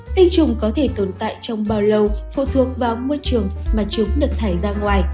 tinh trùng có thể tồn tại trong bao lâu phụ thuộc vào môi trường mà chúng được thải ra ngoài